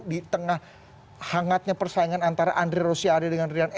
di tengah hangatnya persaingan antara andri rosyari dengan rian eka